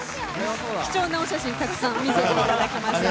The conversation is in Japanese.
貴重なお写真をたくさん見せていただきました。